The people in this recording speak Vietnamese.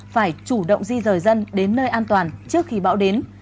phải chủ động di rời dân đến nơi an toàn trước khi bão đến